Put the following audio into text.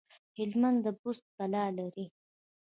هلمند د بست کلا لري